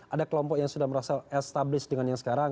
ada kelompok yang sudah merasa established dengan yang sekarang